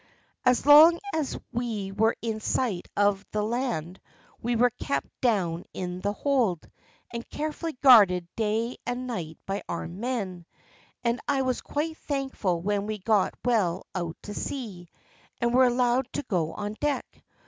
"As long as we were in sight of the land we were kept down in the hold, and carefully guarded day and night by armed men, and I was quite thankful when we got well out to sea, and were allowed to go on deck.